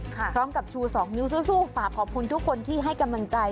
พร้อมกับชู๒นิ้วสู้ฝากขอบคุณทุกคนที่ให้กำลังใจ